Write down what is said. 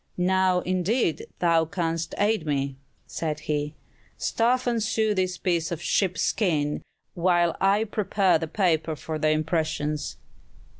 "Now indeed thou canst aid me," said he; "stuff and sew this piece of sheep skin, while I prepare the paper for the impressions."